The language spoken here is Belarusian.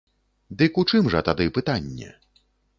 Дык у чым жа тады пытанне?